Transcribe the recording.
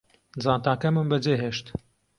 جانتاکەمم بەجێهێشت